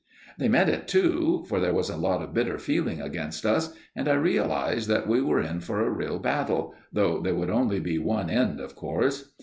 They meant it, too, for there was a lot of bitter feeling against us, and I realised that we were in for a real battle, though there could only be one end, of course.